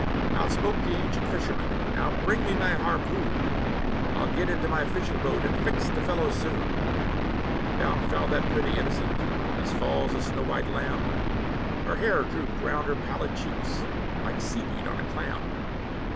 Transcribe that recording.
Out spoke the ancient fisherman, "Now bring me my harpoon! I'll get into my fishing boat, and fix the fellow soon." Down fell that pretty innocent, as falls a snow white lamb, Her hair drooped round her pallid cheeks, like sea weed on a clam.